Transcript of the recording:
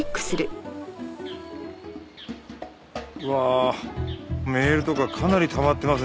うわあメールとかかなりたまってますねえ。